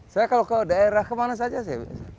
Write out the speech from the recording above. saya kalau ke daerah kemana saja saya